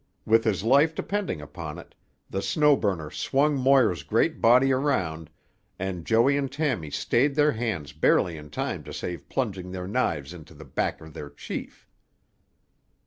With his life depending upon it, the Snow Burner swung Moir's great body around, and Joey and Tammy stayed their hands barely in time to save plunging their knives into the back of their chief.